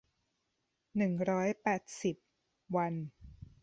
หนึ่งร้อยแปดสิบ วัน